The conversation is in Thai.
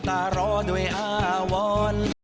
ตาโรด้วยอาวอน